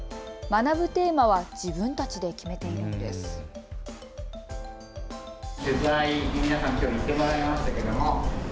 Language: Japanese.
学ぶテーマは自分たちで決めているんです。